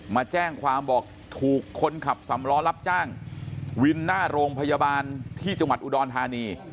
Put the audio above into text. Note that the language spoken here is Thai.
มาแจ้งความบอกถูกคนขับสำล้อรับจ้างวินหน้าโรงพยาบาลที่จังหวัดอุดรธานี